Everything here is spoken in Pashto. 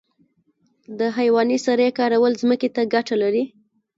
د حیواني سرې کارول ځمکې ته ګټه لري